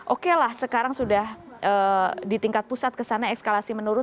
okelah sekarang sudah di tingkat pusat kesana ekskalasi menurun